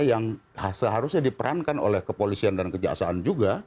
yang seharusnya diperankan oleh kepolisian dan kejaksaan juga